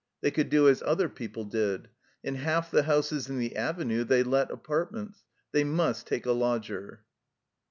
They could do as other people did. In half the houses in the Avenue they let apartments. They must take a lodger.